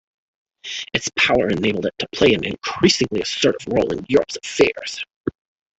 Its power enabled it to play an increasingly assertive role in Europe's affairs.